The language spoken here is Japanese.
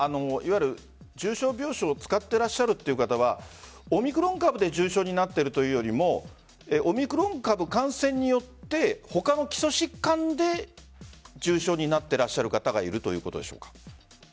重症病床を使っていらっしゃるという方はオミクロン株で重症になっているというよりもオミクロン株感染によって他の基礎疾患で重症になっていらっしゃる方がいるということでしょうか？